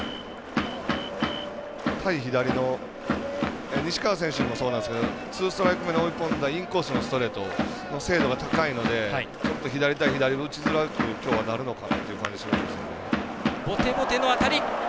対左の西川選手もそうなんですけどツーストライク目で追い込んだインコースのストレートの精度が高いので左対左が打ちづらくなるのかっていう感じがします。